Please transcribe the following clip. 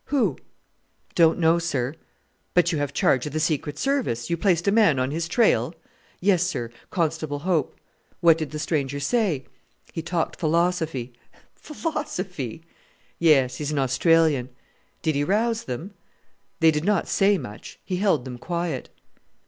"Who?" "Don't know, sir." "But you have charge of the Secret Service. You placed a man on his trail?" "Yes, sir; Constable Hope." "What did the stranger say?" "He talked philosophy." "Philosophy!" "Yes; he's an Australian." "Did he rouse them?" "They did not say much; he held them quiet."